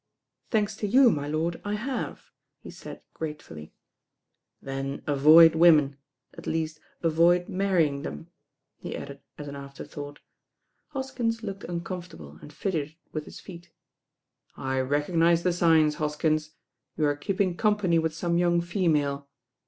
'* "Thanks to you, my lord, I have," he said grate fiiUy. LORD DREWITT ON MARRIAGE 14S. "Then avoid women, at least avoid marrying; them," he added as an afterthought. Hoskins looked uncomfortable and fidgeted with his feet. "I recognise the signs, Hoskins. You are keep ing company with some young female.